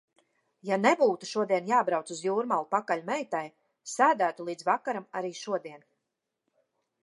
Ja nebūtu šodien jābrauc uz Jūrmalu pakaļ meitai, sēdētu līdz vakaram arī šodien.